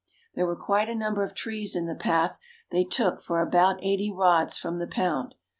There were quite a number of trees in the path they took for about eighty rods from the pound.